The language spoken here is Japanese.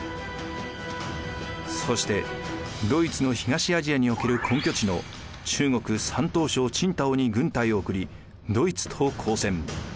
そしてドイツの東アジアにおける根拠地の中国・山東省青島に軍隊を送りドイツと交戦。